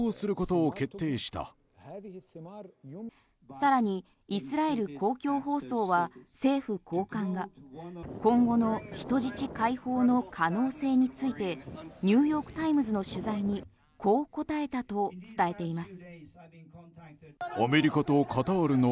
さらにイスラエル公共放送は政府高官が今後の人質解放の可能性についてニューヨーク・タイムズの取材にこう答えたと伝えています。